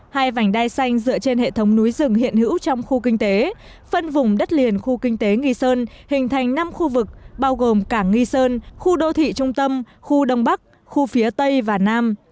hai vành đai xanh dựa trên hệ thống núi rừng hiện hữu trong khu kinh tế phân vùng đất liền khu kinh tế nghi sơn hình thành năm khu vực bao gồm cảng nghi sơn khu đô thị trung tâm khu đông bắc khu phía tây và nam